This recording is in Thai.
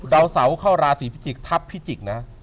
ดาวเสาเข้าราศีพิจิกษ์ทัพพิจิกษ์นะ